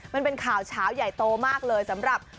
มันเป็นข่าวเช้าใหญ่โตมากเลยสำหรับ